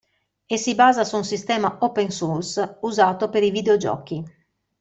E si basa su un sistema open source usato per i videogiochi.